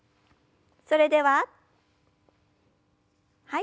それでははい。